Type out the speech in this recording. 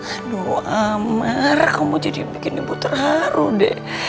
aduh amar kamu jadi bikin ibu terharu dek